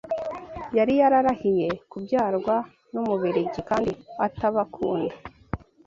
yari yararahiye kubyarwa n’Umubiligi kandi atabakunda